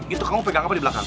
itu kamu pegang apa di belakang